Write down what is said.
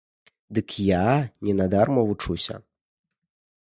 Дык я не на дарма вучуся.